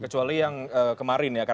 kecuali yang kemarin ya